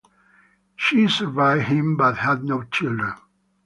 She survived him but had no children.